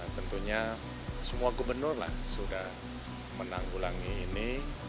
tentunya semua gubernur lah sudah menanggulangi ini